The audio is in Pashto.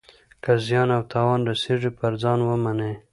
که زیان او تاوان رسیږي پر ځان ومني.